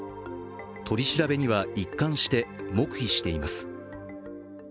取り調べには一貫して黙秘しています。